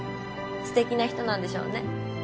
すてきな人なんでしょうね。